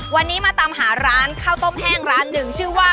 วันนี้มาตามหาร้านข้าวต้มแห้งร้านหนึ่งชื่อว่า